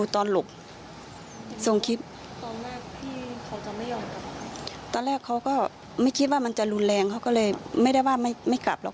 ตอนแรกเขาก็ไม่คิดว่ามันจะรุนแรงเขาก็เลยไม่ได้ว่าไม่กลับหรอก